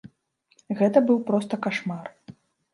Гэта быў проста кашмар.